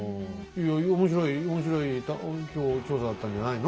いや面白い面白い今日調査だったんじゃないの？